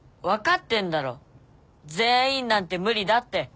分かってんだろ全員なんて無理だって。